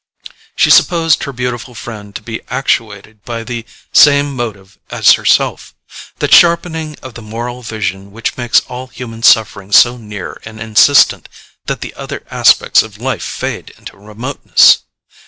She supposed her beautiful friend to be actuated by the same motive as herself—that sharpening of the moral vision which makes all human suffering so near and insistent that the other aspects of life fade into remoteness.